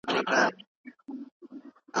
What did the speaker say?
یو ډېر ورو غږ د ده د ذهن سکون ګډوډ کړ.